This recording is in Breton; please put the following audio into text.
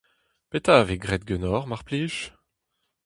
Petra a vez graet ganeoc'h, mar plij ?